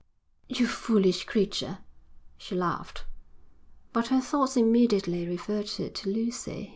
'You foolish creature,' she laughed. But her thoughts immediately reverted to Lucy.